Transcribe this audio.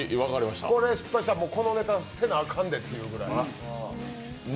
これ失敗したら、このネタを捨てなあかんでというぐらい。